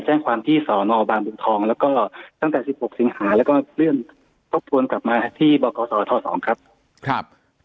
แจ้งความพี่สกบอลบาร์บุจทองแล้วก็ตั้งแต่๑๖สิงหาแล้วก็เคลื่อนแรกทุนกับมาที่